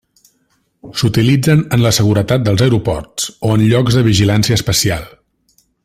S'utilitzen en la seguretat dels aeroports o en llocs de vigilància especial.